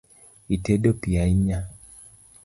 Itedo piyo ahinya